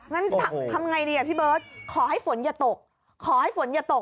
งั้นทำไงดีอ่ะพี่เบิร์ตขอให้ฝนอย่าตกขอให้ฝนอย่าตก